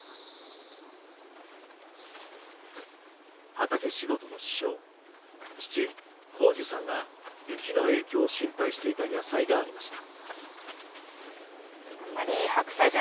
畑仕事の師匠父紘二さんが雪の影響を心配していた野菜がありました。